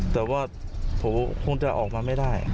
แต่ว่าผมคงจะออกมาไม่ได้